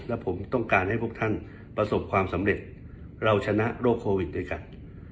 และผมต้องการให้พวกท่านประสบความสำเร็จเราชนะโรคโควิดด้วยกัน